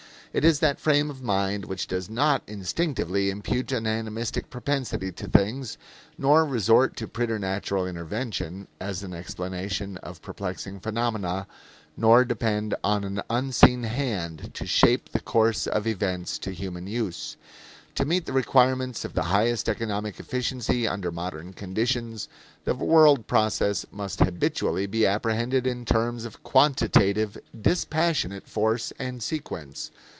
It is that frame of mind which does not instinctively impute an animistic propensity to things, nor resort to preternatural intervention as an explanation of perplexing phenomena, nor depend on an unseen hand to shape the course of events to human use. To meet the requirements of the highest economic efficiency under modern conditions, the world process must habitually be apprehended in terms of quantitative, dispassionate force and sequence.